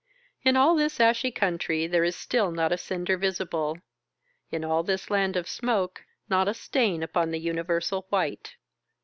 In all this ashy country, there is still not a cinder visible ; in all this land of smoke, not a stain upon the universal white.